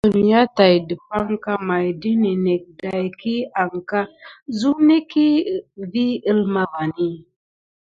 Semyà tàt ɗəpakɑŋ may də ninek dayki anka zuneki vi əlma vani.